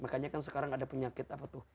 makanya kan sekarang ada penyakit apa tuh